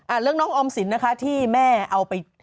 เรื่องน้องออมสินนะคะที่แม่เอาไป